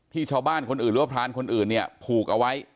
ชาวบ้านคนอื่นหรือว่าพรานคนอื่นเนี่ยผูกเอาไว้